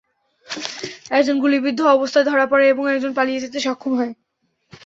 একজন গুলিবিদ্ধ অবস্থায় ধরা পড়ে এবং একজন পালিয়ে যেতে সক্ষম হয়।